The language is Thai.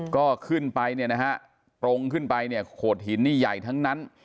ก็ขึ้นไปเนี่ยนะฮะตรงขึ้นไปเนี่ยโขดหินนี่ใหญ่ทั้งนั้น